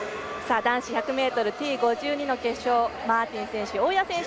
男子１００ｍＴ５２の決勝マーティン選手、大矢選手